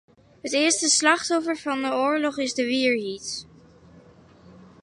It earste slachtoffer fan 'e oarloch is de wierheid.